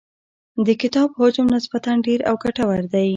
د کتاب حجم نسبتاً ډېر او ګټور دی.